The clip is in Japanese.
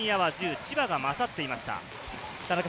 千葉が勝っていました。